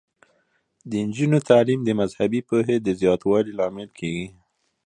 د نجونو تعلیم د مذهبي پوهې د زیاتوالي لامل کیږي.